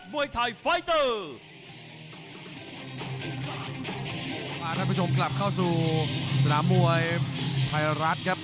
พาท่านผู้ชมกลับเข้าสู่สนามมวยไทยรัฐครับ